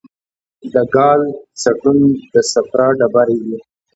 د ګال سټون د صفرا ډبرې دي.